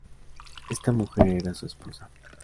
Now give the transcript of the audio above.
Esta mujer era su esposa.